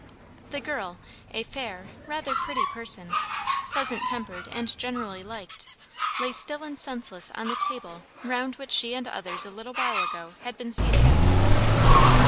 The girl, a fair, rather pretty person, pleasant tempered and generally liked, lay still and senseless on the table round which she and others a little while ago had been seated at supper.